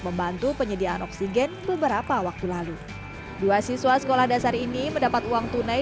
membantu penyediaan oksigen beberapa waktu lalu dua siswa sekolah dasar ini mendapat uang tunai